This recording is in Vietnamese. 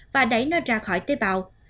và đẩy nó ra khỏi tế bào